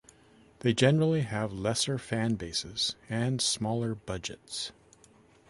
They generally have lesser fan bases and smaller budgets.